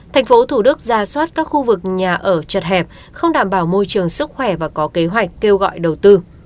thành phố thủ đức ra soát các khu vực nhà ở chật hẹp không đảm bảo môi trường sức khỏe và có kế hoạch kêu gọi đầu tư